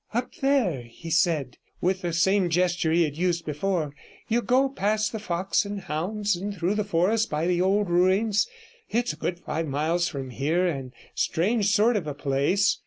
'Up there,' he said, with the same gesture he had used before; 'you go past the Fox and Hounds, and through the forest, by the old ruins. It's a good five mile from here, and a strange sort of a place.